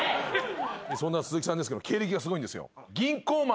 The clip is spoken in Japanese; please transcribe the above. そんな鈴木さんですけども経歴がすごいんですよ。